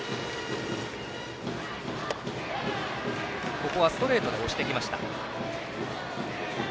ここはストレートで押してきました。